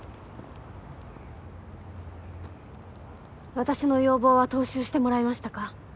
私の要望は踏襲してもらえましたか？